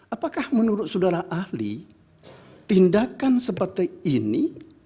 apakah menurut saudara ahli tindakan seperti ini